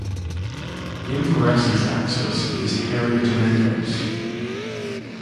The inflorescence axis is hairy tomentose.